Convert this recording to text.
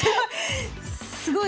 すごい！